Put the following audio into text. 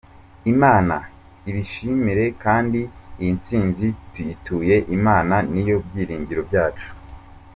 Imana ibishimire kdi iyi tsinzi tuyituye Imana niyo byiringiro byacu.